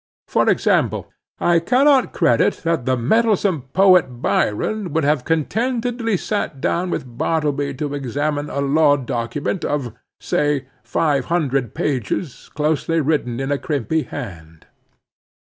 For example, I cannot credit that the mettlesome poet Byron would have contentedly sat down with Bartleby to examine a law document of, say five hundred pages, closely written in a crimpy hand.